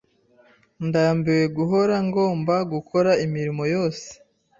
Ndambiwe guhora ngomba gukora imirimo yose.